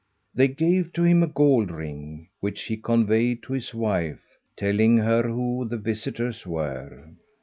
They gave to him a gold ring, which he conveyed to his wife, telling her who the visitors were.